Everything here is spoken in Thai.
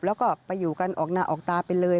แล้วก็ไปอยู่กันออกหน้าออกตาไปเลย